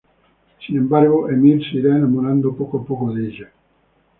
Sin embargo Emir se irá enamorando poco a poco de ella.